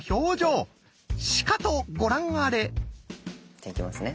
じゃあいきますね。